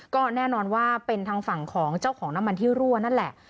ก็แน่นอนว่าเป็นทางฝั่งของเจ้าของน้ำมันที่รั่วนั่นแหละ